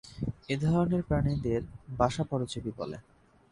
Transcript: এ ধরনের প্রাণীদের বাসা পরজীবী বলে।